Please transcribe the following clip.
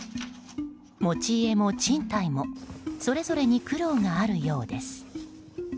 持ち家も賃貸もそれぞれに苦労があるようです。